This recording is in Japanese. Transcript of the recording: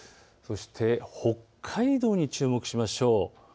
そして北海道に注目しましょう。